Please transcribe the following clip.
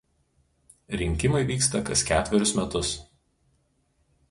Rinkimai vyksta kas ketverius metus.